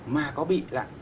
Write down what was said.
mà có bị lặng